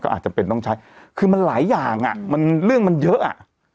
อาจจะเป็นต้องใช้คือมันหลายอย่างอ่ะมันเรื่องมันเยอะอ่ะ